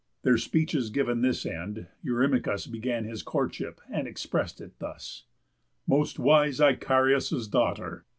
Their speeches giv'n this end, Eurymachus Began his courtship, and express'd it thus: "Most wise Icarius' daughter!